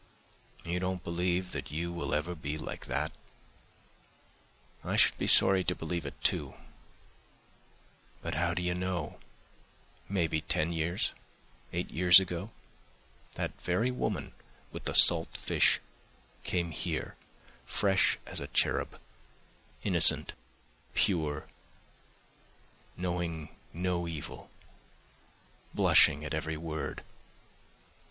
You don't believe that you will ever be like that? I should be sorry to believe it, too, but how do you know; maybe ten years, eight years ago that very woman with the salt fish came here fresh as a cherub, innocent, pure, knowing no evil, blushing at every word.